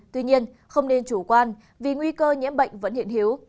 tuy nhiên không nên chủ quan vì nguy cơ nhiễm bệnh vẫn hiện hiếu